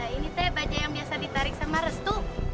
ini teh baja yang biasa ditarik sama restu